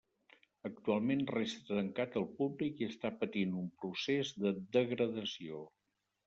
Actualment resta tancat al públic i està patint un procés de degradació.